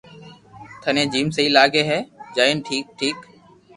ٿني جيم سھي لاگي ھوئي جائي ٺيڪ ٺيڪ